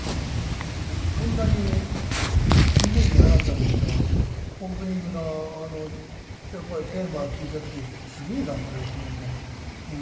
そんなにイメージがなかったんだけどオープニングのテーマ聴いた時にすげえな、これって思って。